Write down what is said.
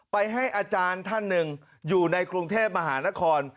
ให้อาจารย์ท่านหนึ่งอยู่ในกรุงเทพมหานคร